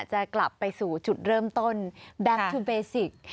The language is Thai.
จะกลับไปสู่จุดเริ่มต้นแบ็คทูเบสิก